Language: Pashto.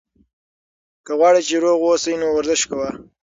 که غواړې چې روغ اوسې، نو ورزش کوه.